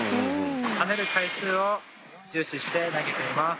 跳ねる回数を重視して投げています。